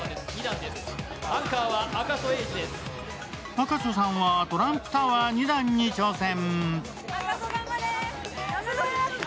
赤楚さんはトランプタワー２段に挑戦。